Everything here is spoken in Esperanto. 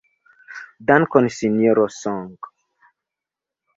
Dankon, Sinjoro Song.